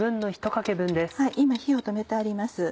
今火を止めてあります。